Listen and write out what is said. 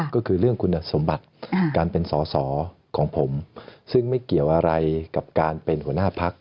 ก็คือเรื่องคุณสมบัติการเป็นสอสอของผมซึ่งไม่เกี่ยวอะไรกับการเป็นหัวหน้าพัก